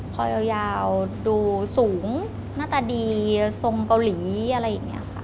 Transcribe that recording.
พอยาวดูสูงหน้าตาดีทรงเกาหลีอะไรอย่างนี้ค่ะ